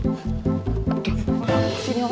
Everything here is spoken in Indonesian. tidak mau tidur sini bang